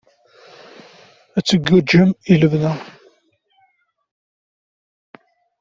Ad tgiǧǧem i lebda?